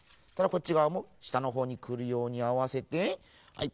こっちがわもしたのほうにくるようにあわせてはい。